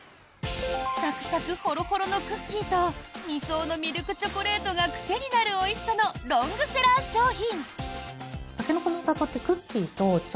サクサクほろほろのクッキーと２層のミルクチョコレートが癖になるおいしさのロングセラー商品。